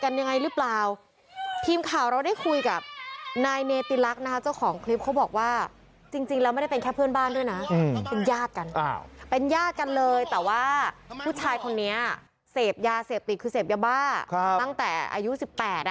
เกษตรการบานนั้นที่เขาถือข้อดหอยสภาพให้ถือจอบไล่เรามันเกิดขึ้นอย่างไร